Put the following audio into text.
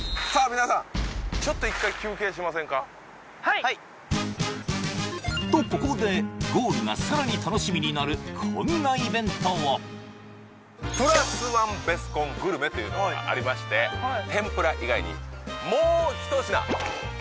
皆さんちょっと一回休憩しませんかはいとここでゴールがさらに楽しみになるこんなイベントをプラスワンベスコングルメというものがありまして天ぷら以外にもう一品食べたいメニュー選んじゃってください